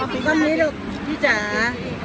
ทำไมลูกพี่จาน